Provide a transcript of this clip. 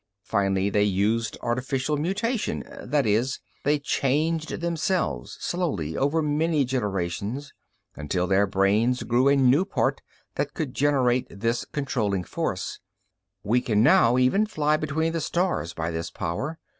Finally they used artificial mutation that is, they changed themselves, slowly, over many generations, until their brains grew a new part that could generate this controlling force. We can now even, fly between the stars, by this power.